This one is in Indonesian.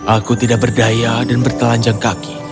aku tidak berdaya dan bertelanjang kaki